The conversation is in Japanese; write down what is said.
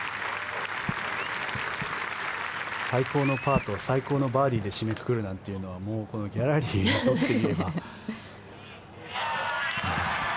最高のパーと最高のバーディーで締めくくるなんていうのはもうギャラリーにとってみれば。